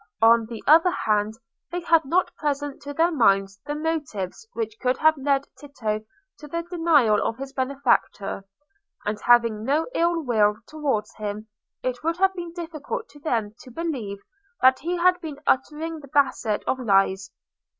On the other hand, they had not present to their minds the motives which could have led Tito to the denial of his benefactor, and having no ill will towards him, it would have been difficult to them to believe that he had been uttering the basest of lies.